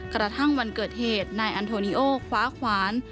กระทั่งวันเกิดเหตุนายอันโทนิโอคว้าขวาน